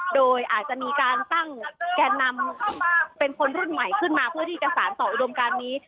โดยอาจจะมีการตั้งแกนนำเป็นคนรุ่นใหม่ขึ้นมาเพื่อที่จะสารต่ออุดมการนี้